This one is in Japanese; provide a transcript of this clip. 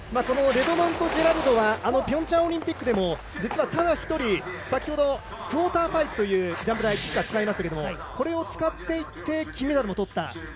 レドモンド・ジェラルドはピョンチャンオリンピックでも実はただ１人、先ほどのクオーターパイプというジャンプ台を使いましたがこれを使っていって金メダルもとった。